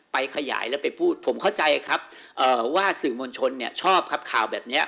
ไปขยายแล้วไปพูดผมเข้าใจครับว่าสื่อมวลชนเนี่ยชอบครับข่าวแบบนี้